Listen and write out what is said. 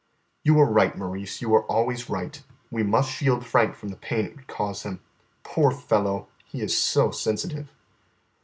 "You are right, Maurice, you are always right. We must shield Frank from the pain it would cause him. Poor fellow! he is so sensitive."